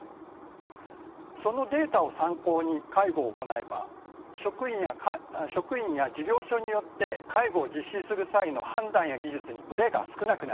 そのデータを参考に介護を行えば職員や事業所によって介護を実施する際の判断や技術にブレが少なくなります。